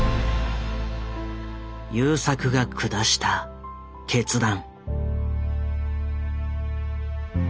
優作が下した決断。